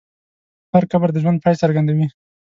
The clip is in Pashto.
هر قبر د ژوند پای څرګندوي.